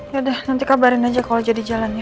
ya dah nanti kabarin aja kalau jadi jalan ya